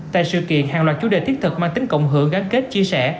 tại sự kiện hàng loạt chủ đề thiết thực mang tính cộng hưởng gắn kết chia sẻ